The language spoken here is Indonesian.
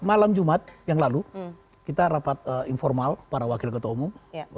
malam jumat yang lalu kita rapat informal para wakil ketua umum